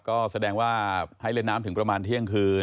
ก็แสดงว่าให้เล่นน้ำถึงประมาณเที่ยงคืน